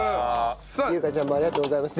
優香ちゃんもありがとうございます。